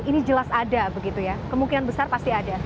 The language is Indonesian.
ini jelas ada begitu ya kemungkinan besar pasti ada